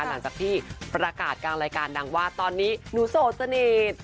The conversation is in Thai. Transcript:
หลังจากที่ประกาศกลางรายการดังว่าตอนนี้หนูโสดสนิท